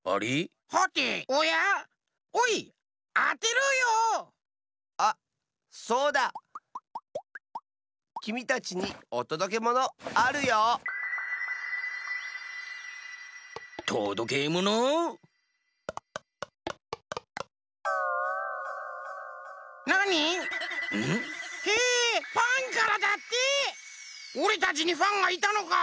おれたちにファンがいたのか？